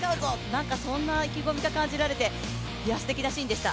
なんかそんな意気込みが感じられて、素敵なシーンでした。